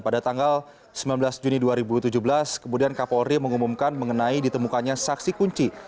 pada tanggal sembilan belas juni dua ribu tujuh belas kemudian kapolri mengumumkan mengenai ditemukannya saksi kunci